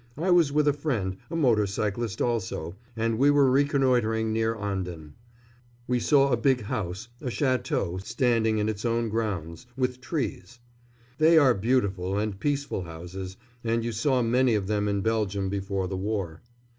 I was with a friend, a motor cyclist also, and we were reconnoitring near Anden. We saw a big house, a château, standing in its own grounds, with trees. They are beautiful and peaceful houses, and you saw many of them in Belgium before the war.